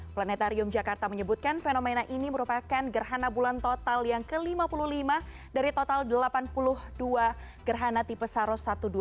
planetarium jakarta menyebutkan fenomena ini merupakan gerhana bulan total yang ke lima puluh lima dari total delapan puluh dua gerhana tipe saros satu ratus dua puluh dua